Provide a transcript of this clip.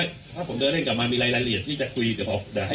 เดี๋ยวถ้าผมเดินเร่งกลับมามีรายละเอียดที่จะคุยเดี๋ยวพอให้